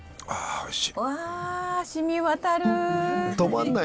おいしい！